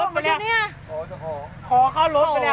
เคยเข้าบ้านเลย